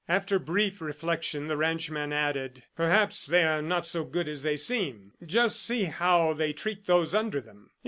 After brief reflection, the ranchman added: "Perhaps they are not so good as they seem. Just see how they treat those under them!